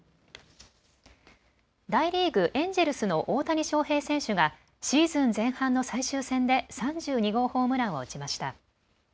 大リーグ、エンジェルスの大谷翔平選手がシーズン前半の最終戦で３２号ホームランを打ちました。